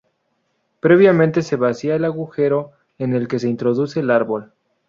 Previamente se vacía el agujero en el que se introduce el árbol.